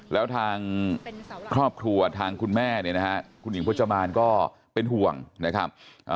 แล้วทางครอบครัวทางคุณแม่เนี่ยนะฮะคุณหญิงพจมานก็เป็นห่วงนะครับ